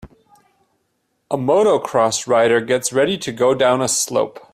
A motocross rider gets ready to go down a slope